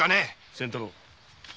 仙太郎。